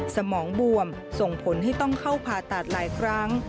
สมองบวมส่งผลให้ต้องเข้าผ่าตัดหลายครั้ง